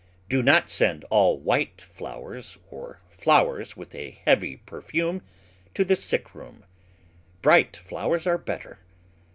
Do not send all white flowers, or flowers with a heavy perfume, to the sick room. Bright flowers are better.